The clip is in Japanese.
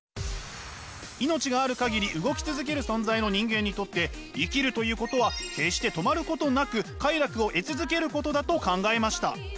命がある限り動き続ける存在の人間にとって生きるということは決して止まることなく快楽を得続けることだと考えました。